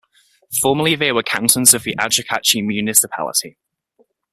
Formerly they were cantons of the Achacachi Municipality.